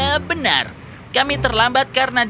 dia benar kami terlambat karena dia